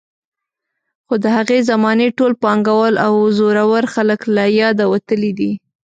خو د هغې زمانې ټول پانګوال او زورور خلک له یاده وتلي دي.